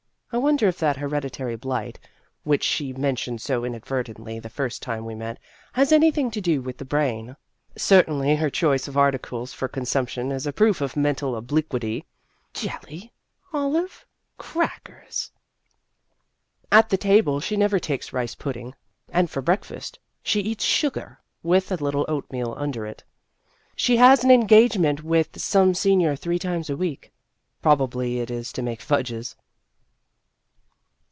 I won der if that hereditary blight, which she mentioned so inadvertently the first time we met, has anything to do with the brain. Certainly her choice of articles for con sumption is a proof of mental obliquity jelly, olives, crackers ! At the table she 202 Vassar Studies never takes rice pudding, and for break fast she eats sugar with a little oatmeal under it. She has an engagement with some senior three times a week. Probably it is to make fudges.